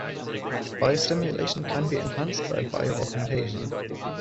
Biostimulation can be enhanced by bioaugmentation.